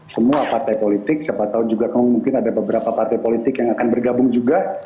semua partai politik siapa tahu juga mungkin ada beberapa partai politik yang akan bergabung juga